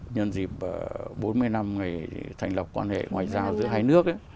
nhân dịp bốn mươi năm ngày thành lập quan hệ ngoại giao giữa hai nước